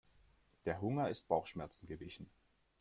Der Hunger ist Bauchschmerzen gewichen.